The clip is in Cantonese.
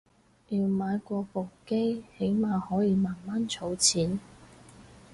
要買過部機起碼可以慢慢儲錢